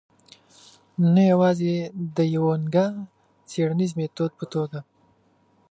نه یوازې د یوه نګه څېړنیز میتود په توګه.